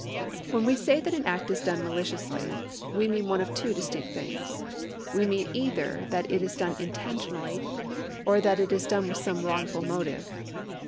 When we say that an act is done maliciously, we mean one of two distinct things. We mean either that it is done intentionally, or that it is done with some wrongful motive.